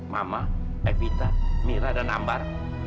mama evita mira dan ambar